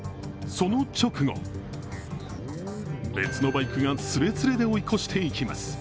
その直後、別のバイクがスレスレで追い越していきます。